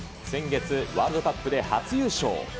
先月、ワールドカップで初優勝。